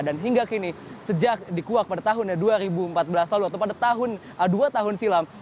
dan hingga kini sejak dikuak pada tahun dua ribu empat belas lalu atau pada dua tahun silam